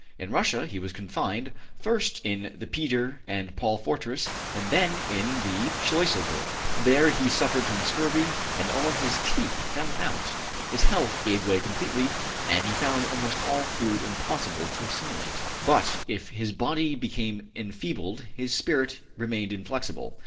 In Russia he was confined, first in the Peter and Paul fortress and then in the Schluesselburg. There be suffered from scurvy and all his teeth fell out. His health gave way completely, and he found almost all food impossible to assimilate. ``But, if his body became enfeebled, his spirit remained inflexible.